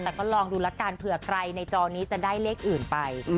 แต่ก็ลองดูละกันเผื่อใครในจอนี้จะได้เลขอื่นไป